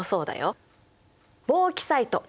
ボーキサイト。